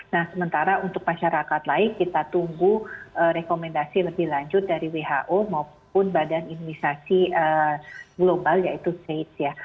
nah sementara untuk masyarakat lain kita tunggu rekomendasi lebih lanjut dari who maupun badan imunisasi global yaitu saids ya